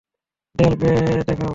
দেয়াল বেয়ে দেখাও।